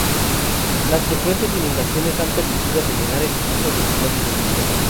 Las frecuentes inundaciones han permitido rellenar el piso de bloque hundido.